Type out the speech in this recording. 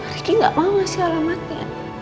riki gak mau kasih alamatnya